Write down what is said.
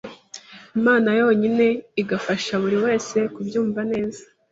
Imana yonyine igafasha buriwese kubyunva neza.